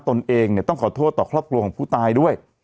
ตนเองเนี่ยต้องขอโทษต่อครอบครัวของผู้ตายด้วย